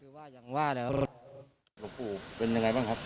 หลวงปู่เป็นอย่างไรบ้างครับ